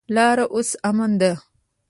لاره اوس امن ده.